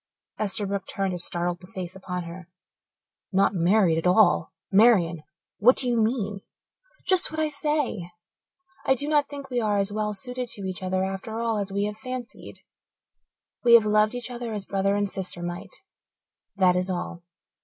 Esterbrook turned a startled face upon her. "Not married at all! Marian, what do you mean?" "Just what I say. I do not think we are as well suited to each other after all as we have fancied. We have loved each other as brother and sister might that is all.